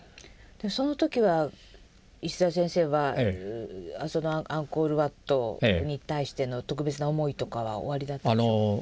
その時は石澤先生はそのアンコール・ワットに対しての特別な思いとかはおありだったんでしょうか？